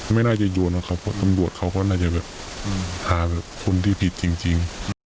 ไม่น่าจะอยู่นะครับสมบวชเขาก็น่าจะหาคนที่ผิดจริง